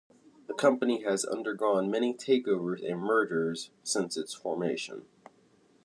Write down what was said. The company has undergone many takeovers and mergers since its formation.